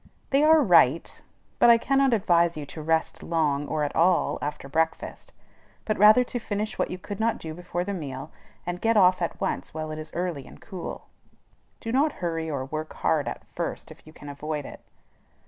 They are right; but I cannot advise you to rest long, or at all, after breakfast, but rather to finish what you could not do before the meal, and get off at once while it is early and cool. Do not hurry or work hard at first if you can avoid it.